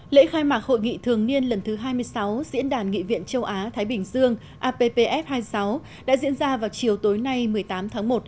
lễ khai mạc hội nghị thường niên lần thứ hai mươi sáu diễn đàn nghị viện châu á thái bình dương appf hai mươi sáu đã diễn ra vào chiều tối nay một mươi tám tháng một